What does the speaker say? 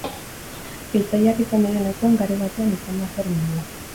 Biltzaileak izan diren lekuan, garai batean, izan da zer bildua.